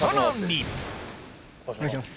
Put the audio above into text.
お願いします。